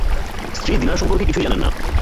স্ত্রী দীনার সম্পর্কে কিছুই জানেন না।